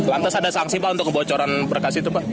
lantas ada sanksi pak untuk kebocoran berkas itu pak